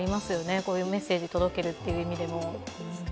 こういうメッセージを届けるという意味での。